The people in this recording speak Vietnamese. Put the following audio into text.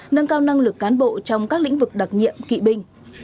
nâng cao năng lực cán bộ trong các lĩnh vực đặc nhiệm kỵ binh